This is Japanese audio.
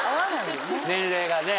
年齢がね。